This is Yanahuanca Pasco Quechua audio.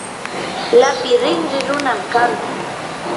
lapi rinri runam kanki.